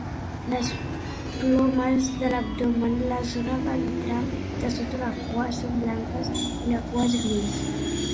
Les plomes de l'abdomen, la zona ventral i de sota la cua són blanques i la cua és gris.